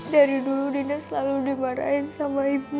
dari dulu dina selalu dimarahin sama ibu